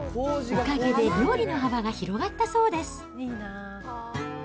おかげで料理の幅が広がったそうです。